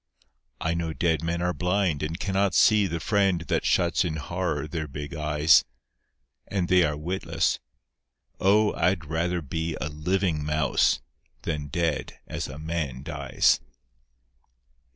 I know dead men are blind and cannot see The friend that shuts in horror their big eyes, And they are witless O I'd rather be A living mouse than dead as a man dies.